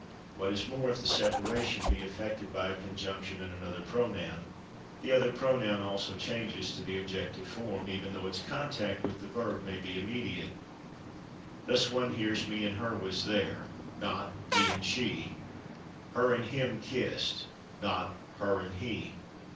What is more, if the separation be effected by a conjunction and another pronoun, the other pronoun also changes to the objective form, even though its contact with the verb may be immediate. Thus one hears "/me/ and /her/ was there," not "/me/ and /she/"; /her/ and "/him/ kissed," not "/her/ and /he